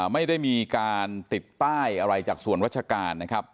ไม่ได้มีการติดป้ายอะไรจากส่วนราชการนะครับ